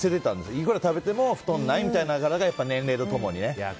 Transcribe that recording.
いくら食べても太らないみたいだったのが年齢と共にね。